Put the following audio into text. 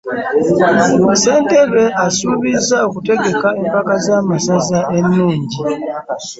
ssentebe asuubiza okutegeka empaka z'amasaza enungi.